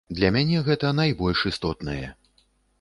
Для мяне гэта найбольш істотнае.